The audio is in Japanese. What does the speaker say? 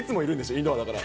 インドアだから。